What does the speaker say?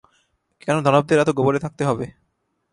কেন দানবদের এত গোপনে থাকতে হবে?